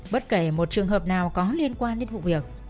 bất kể một trường hợp nào có liên quan đến vụ việc